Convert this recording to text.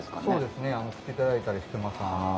そうですね来ていただいたりしてます